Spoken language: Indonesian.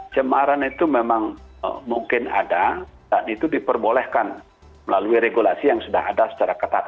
cemaran itu memang mungkin ada dan itu diperbolehkan melalui regulasi yang sudah ada secara ketat